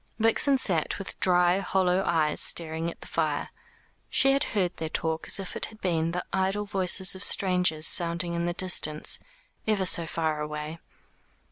Vixen sat with dry hollow eyes staring at the fire. She had heard their talk as if it had been the idle voices of strangers sounding in the distance, ever so far away.